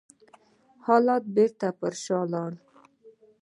حالات بېرته پر شا لاړل.